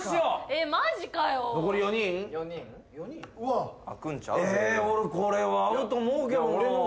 え俺これは合うと思うけどな。